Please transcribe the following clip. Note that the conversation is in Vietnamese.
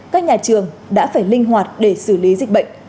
các nhà trường đã phải linh hoạt để xử lý dịch bệnh